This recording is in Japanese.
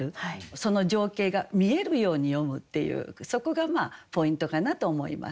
その情景が見えるように詠むっていうそこがポイントかなと思います。